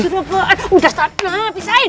sudah apaan udah start lah pisahin